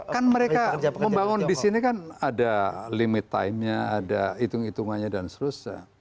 kan mereka membangun di sini kan ada limit timenya ada hitung hitungannya dan seterusnya